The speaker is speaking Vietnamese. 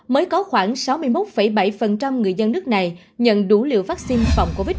mới có khoảng sáu mươi một bảy người dân nước này nhận đủ liệu vaccine phòng covid